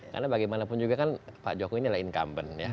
karena bagaimanapun juga kan pak jokowi ini adalah incumbent ya